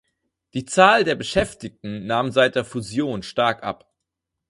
Die Zahl der Beschäftigten nahm seit der Fusion stark ab.